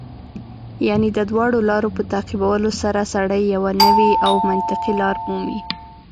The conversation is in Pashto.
یعنې د دواړو لارو په تعقیبولو سره سړی یوه نوې او منطقي لار مومي.